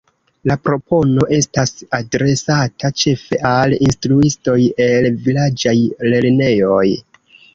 La propono estas adresata ĉefe al instruistoj el vilaĝaj lernejoj.